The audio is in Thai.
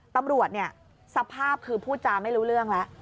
ตำรวจเนี่ยสภาพคือพูดจาไม่รู้เรื่องแล้ว